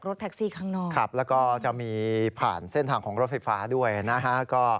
แล้วก็จะมีผ่านเส้นทางของรถไฟฟ้าด้วยนะฮะ